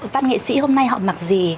bắt nghệ sĩ hôm nay họ mặc gì